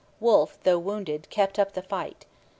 Wolfe, though wounded, kept up the fight.